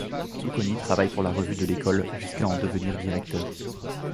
Zucconi travaille pour la revue de l'école, jusqu'à en devenir directeur.